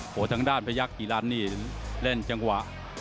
โอ้โหทางด้านพยักษ์อีรันนี่เล่นจังหวะ